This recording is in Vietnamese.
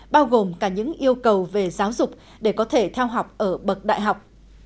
bao gồm cả những yêu cầu về giáo dục để có thể theo học ở bậc đại học